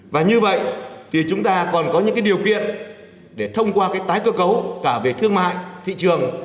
và như vậy thì chúng ta còn có những điều kiện để thông qua cái tái cơ cấu cả về thương mại thị trường